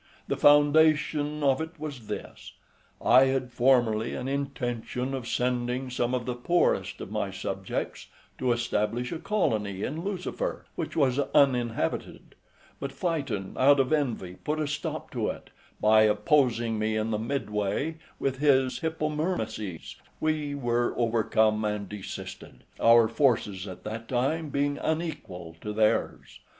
The foundation of it was this: I had formerly an intention of sending some of the poorest of my subjects to establish a colony in Lucifer, which was uninhabited: but Phaeton, out of envy, put a stop to it, by opposing me in the mid way with his Hippomyrmices; we were overcome and desisted, our forces at that time being unequal to theirs.